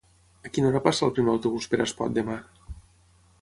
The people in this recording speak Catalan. A quina hora passa el primer autobús per Espot demà?